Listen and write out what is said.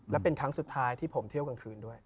และเป็นครั้งสุดท้ายที่ผมเที่ยวกลางคืนด้วย